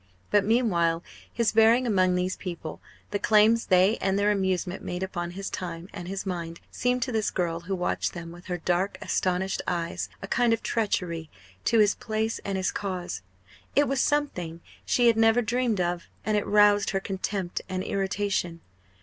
But, meanwhile, his bearing among these people the claims they and their amusement made upon his time and his mind seemed to this girl, who watched them, with her dark, astonished eyes, a kind of treachery to his place and his cause. It was something she had never dreamed of; and it roused her contempt and irritation.